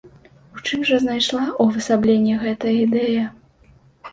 У чым жа знайшла ўвасабленне гэтая ідэя?